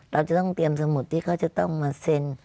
เราจะต้องเตรียมสมุดที่เขาจะต้องมาเซ็น